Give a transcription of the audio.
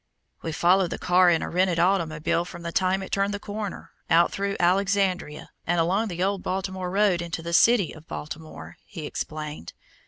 "We followed the car in a rented automobile from the time it turned the corner, out through Alexandria, and along the old Baltimore Road into the city of Baltimore," he explained.